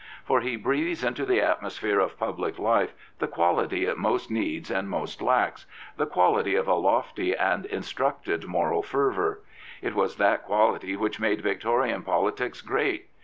For he breathes into the atmo Prophets, Priests, and Kings sphere of public life the quality it most needs and most lacks — the quality of a lofty and instructed moral fervour. It was that quality which made Victorian politics great.